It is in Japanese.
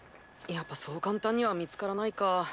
やっぱそう簡単には見つからないか。